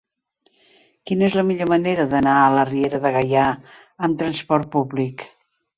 Quina és la millor manera d'anar a la Riera de Gaià amb trasport públic?